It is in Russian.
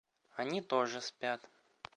Они тоже спят.